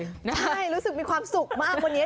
ใช่รู้สึกมีความสุขมากวันนี้